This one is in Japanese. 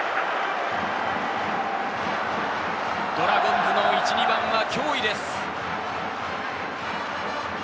ドラゴンズの１・２番は脅威です。